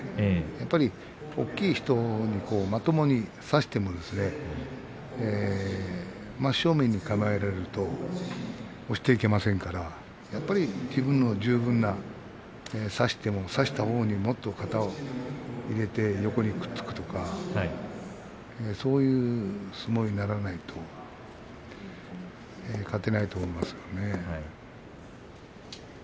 やっぱり大きい人にまともに差しても真正面に構えられると押していけませんからやっぱり自分の十分な差したほうに肩を入れて横にくっつくとかそういう相撲にならないと勝てないと思いますけどね。